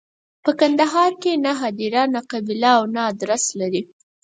په کندهار کې نه هدیره، نه قبیله او نه ادرس لري.